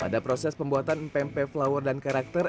pada proses pembuatan mpe mpe flower dan karakter